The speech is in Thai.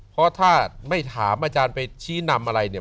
เพราะถ้าไม่ถามอาจารย์ไปชี้นำอะไรเนี่ย